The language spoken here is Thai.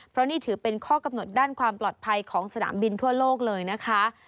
เพราะนี่ถือเป็นข้อกำหนดด้านความปลอดภัยของสนามบินทั่วโลกเลยนะคะ